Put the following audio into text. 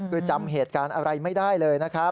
คือจำเหตุการณ์อะไรไม่ได้เลยนะครับ